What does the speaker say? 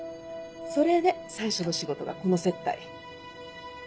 それで最初の仕事がこの接待。